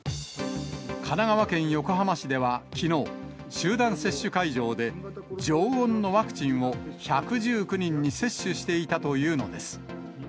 神奈川県横浜市ではきのう、集団接種会場で、常温のワクチンを１１９人に接種していたというのです。